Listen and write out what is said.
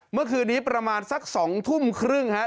เมื่อคืนนี้ประมาณสัก๒ทุ่มครึ่งฮะ